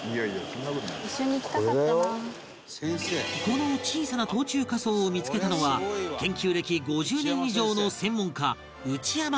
この小さな冬虫夏草を見付けたのは研究歴５０年以上の専門家内山先生